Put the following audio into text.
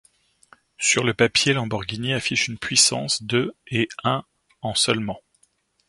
Sur le papier, Lamborghini affiche une puissance de et un en seulement.